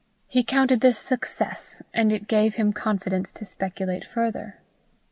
He counted this success, and it gave him confidence to speculate further.